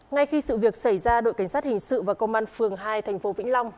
ngay khi sự việc xảy ra đội cảnh sát hình sự và công an phường hai thành phố vĩnh long